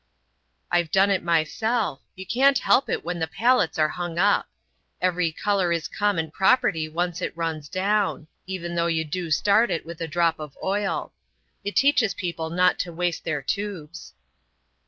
"I've done it myself. You can't help it when the palettes are hung up. Every colour is common property once it runs down,—even though you do start it with a drop of oil. It teaches people not to waste their tubes."